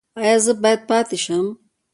ایا زه باید پاتې شم؟